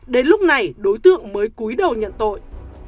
đến lúc này đối tượng mới cúi đầu nhận tội